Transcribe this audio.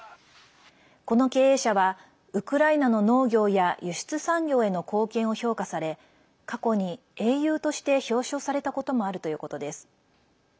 この経営者はウクライナの農業や輸出産業への貢献を評価され過去に英雄として表彰されたこともあるということです。